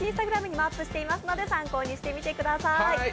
Ｉｎｓｔａｇｒａｍにもアップしていますので、参考にしてみてください。